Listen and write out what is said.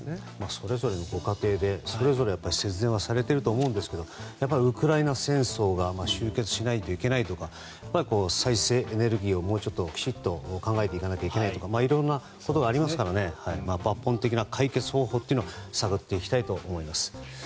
それぞれのご家庭で節電されていると思いますがウクライナ戦争が終結しないといけないとか再生エネルギーをきちんと考えていかなきゃいけないとかいろいろなことがあるので抜本的な解決方法を探っていきたいと思います。